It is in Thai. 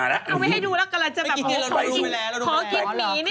เอาไว้ให้ดูแล้วกำลังจะแบบโอ้โหขอคลิปนี้นิดนึงไม่ทันเลย